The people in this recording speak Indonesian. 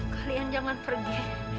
kalian jangan pergi